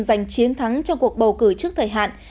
giành chiến thắng trong cuộc bầu cử trước thời hạn